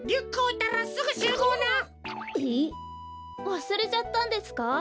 わすれちゃったんですか？